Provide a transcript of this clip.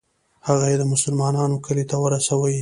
هغه یې د مسلمانانو کلي ته ورسوي.